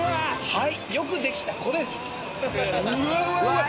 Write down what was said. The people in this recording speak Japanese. はいよくできた子ですうわうわ